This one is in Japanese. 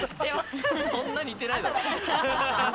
そんな似てないだろ。